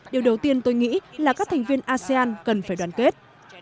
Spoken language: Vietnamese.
điều đầu tiên tôi nghĩ là các thành viên asean cần phải đoàn kết